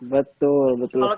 betul betul sekali